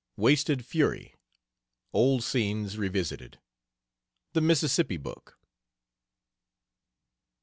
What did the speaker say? WASTED FURY. OLD SCENES REVISITED. THE MISSISSIPPI BOOK.